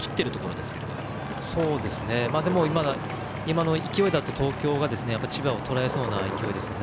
でも、今の勢いだと東京が千葉をとらえそうな勢いですよね。